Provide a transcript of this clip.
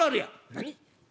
「何！？」。